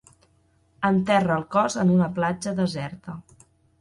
Enterra el cos en una platja deserta.